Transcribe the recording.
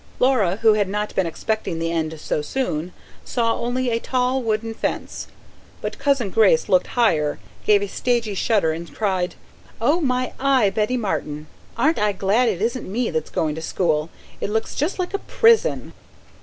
Laura, who had not been expecting the end so soon, saw only a tall wooden fence; but Cousin Grace looked higher, gave a stagey shudder and cried: "Oh my eye Betty Martin! Aren't I glad it isn't me that's going to school! It looks just like a prison."